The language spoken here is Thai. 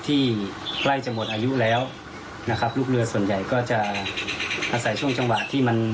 ใกล้จะหมดอายุแล้วนะครับลูกเรือส่วนใหญ่ก็จะอาศัยช่วงจังหวะที่มัน